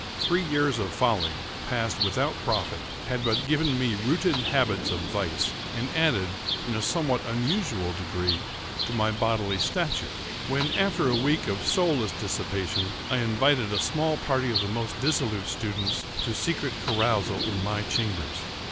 Three years of folly, passed without profit, had but given me rooted habits of vice, and added, in a somewhat unusual degree, to my bodily stature, when, after a week of soulless dissipation, I invited a small party of the most dissolute students to a secret carousal in my chambers.